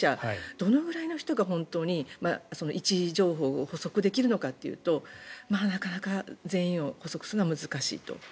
どのくらいの人が本当に位置情報を捕捉できるのかというとなかなか全員を捕捉するのは難しいと。